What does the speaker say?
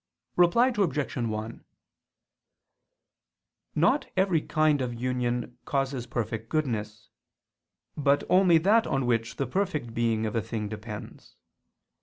Reply Obj. 1: Not every kind of union causes perfect goodness, but only that on which the perfect being of a thing depends.